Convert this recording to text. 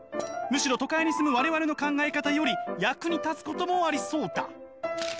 むしろ都会に住む我々の考え方より役に立つこともありそうだ」。